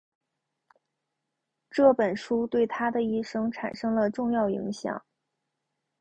这本书对他的一生产生了重要影响。